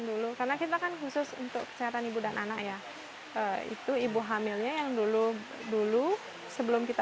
dulu karena kita kan khusus untuk kesehatan ibu dan anak ya itu ibu hamilnya yang dulu dulu sebelum kita